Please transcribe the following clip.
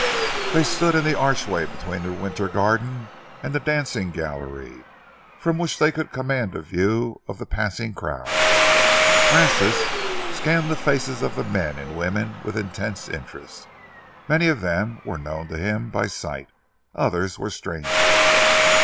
They stood in the archway between the winter garden and the dancing gallery, from which they could command a view of the passing crowds. Francis scanned the faces of the men and women with intense interest. Many of them were known to him by sight, others were strangers.